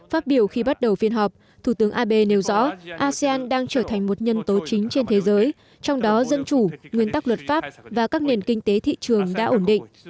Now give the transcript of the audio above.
phát biểu khi bắt đầu phiên họp thủ tướng abe nêu rõ asean đang trở thành một nhân tố chính trên thế giới trong đó dân chủ nguyên tắc luật pháp và các nền kinh tế thị trường đã ổn định